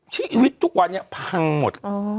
ชีวิตทุกวันนี้พังหมด